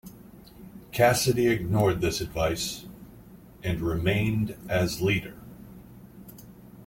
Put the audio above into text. Cassidy ignored this advice, and remained as leader.